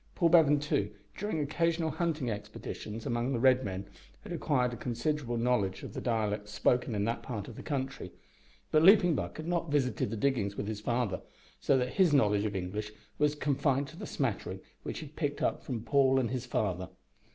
Paul Bevan, too, during occasional hunting expeditions among the red men, had acquired a considerable knowledge of the dialect spoken in that part of the country, but Leaping Buck had not visited the diggings with his father, so that his knowledge of English was confined to the smattering which he had picked up from Paul and his father.